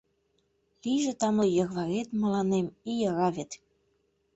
Лийже тамле йӧрварет Мыланем и йӧра вет!